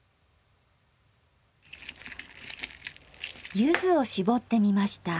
ゆずをしぼってみました。